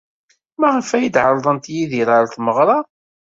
Maɣef ay d-ɛerḍent Yidir ɣer tmeɣra?